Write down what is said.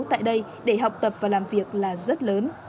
tại đây để học tập và làm việc là rất lớn